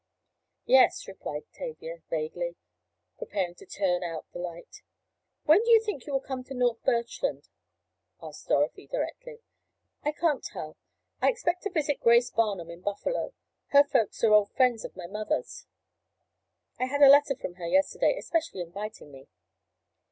"Yes," replied Tavia, vaguely, preparing to turn out the light. "When do you think you will come to North Birchland?" asked Dorothy directly. "I can't tell. I expect to visit Grace Barnum in Buffalo. Her folks are old friends of mother's. I had a letter from her yesterday, especially inviting me."